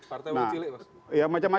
artinya banyak lah